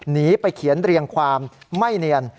หนีไปเขียนเรียงความไม่เนียน